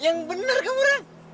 yang bener kamu ran